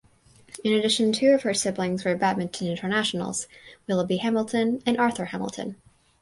In addition two of her siblings were badminton internationals (Willoughby Hamilton and Arthur Hamilton).